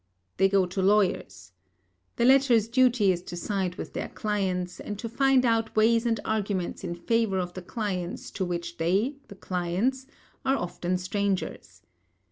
They go to lawyers. The latter's duty is to side with their clients, and to find out ways and arguments in favour of the clients to which they (the clients) are often strangers.